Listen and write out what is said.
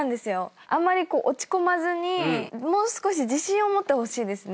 あんまり落ち込まずにもう少し自信を持ってほしいですね。